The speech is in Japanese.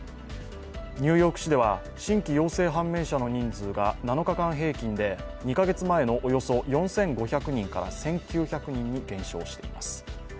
ニューヨーク市では新規陽性判明者の人数が７日間平均で２か月前のおよそ４５００人から１９００人に減少しています。